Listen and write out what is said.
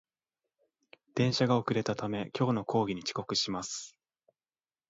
電車が遅れたため、今日の講義に遅刻します